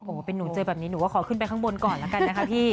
บอกว่าเป็นหนูเจอแบบนี้หนูว่าขอขึ้นไปข้างบนก่อนแล้วกันนะคะพี่